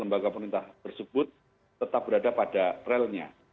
lembaga pemerintahan tersebut tetap berada pada trailnya